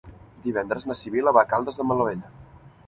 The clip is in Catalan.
Divendres na Sibil·la va a Caldes de Malavella.